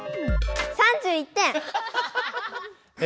３１点。え？